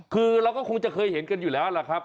คือเราก็คงจะเคยเห็นกันอยู่แล้วล่ะครับ